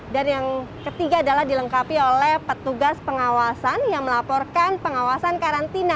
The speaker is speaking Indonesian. dan yang ketiga adalah dilengkapi oleh petugas pengawasan yang melaporkan pengawasan karantina